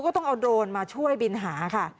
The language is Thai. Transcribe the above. ก็ต้องเอาโดรนมาช่วยบินหาค่ะ